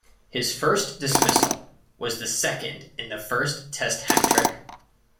His first dismissal was the second in the first Test hat-trick.